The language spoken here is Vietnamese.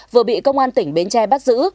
vừa bị công an tỉnh bến tre bắt giữ